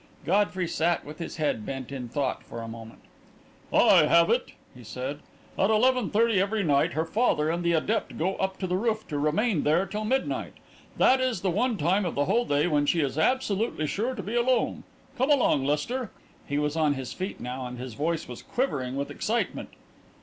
Godfrey sat with his head bent in thought for a moment. "I have it!" he said. "At eleven thirty every night her father and the adept go up to the roof, to remain there till midnight. That is the one time of the whole day when she is absolutely sure to be alone. Come along, Lester!" He was on his feet now, and his voice was quivering with excitement.